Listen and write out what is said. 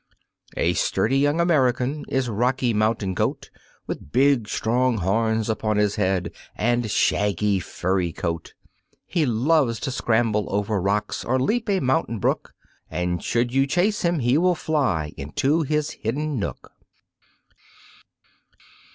A sturdy young American is Rocky Mountain Goat With big, strong horns upon his head, and shaggy, furry coat; He loves to scramble over rocks or leap a mountain brook, And should you chase him he will fly into his hidden nook.